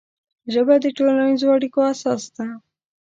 ژبه د ټولنیزو اړیکو اساس ده